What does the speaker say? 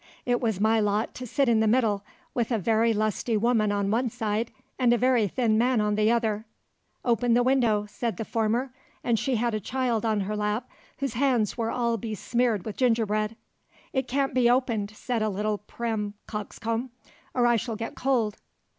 It was my lot to sit in the middle with a very lusty woman on one side, and a very thin man on the other. 'Open the window,' said the former and she had a child on her lap whose hands were all besmeared with gingerbread. 'It can't be opened,' said a little prim coxcomb, 'or I shall get cold.